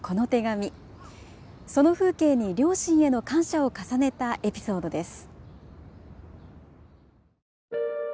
その風景に両親への感謝を重ねたエピソードです。